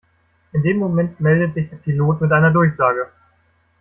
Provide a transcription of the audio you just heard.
In dem Moment meldet sich der Pilot mit einer Durchsage.